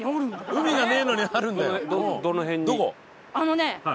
「海はねえのにあるんだよ」。